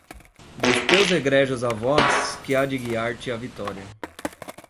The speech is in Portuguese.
Dos teus egrégios avós, que há de guiar-te à vitória!